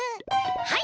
はい！